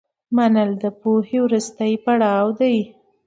منل د پوهې وروستی پړاو دی.